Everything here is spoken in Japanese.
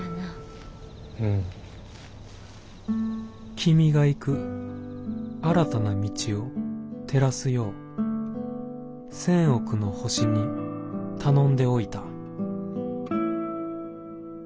「君が行く新たな道を照らすよう千億の星に頼んでおいた」。